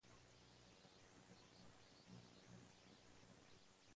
Asimismo, ha tomado parte en numerosas grabaciones discográficas.